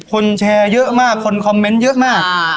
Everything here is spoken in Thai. คนแชร์เยอะมากคนคอมเมนต์เยอะมาก